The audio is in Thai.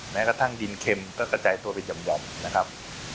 แม้กระทั่งดินเข็มก็กระจายตัวไปหย่อมนะครับ